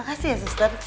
makasih ya suster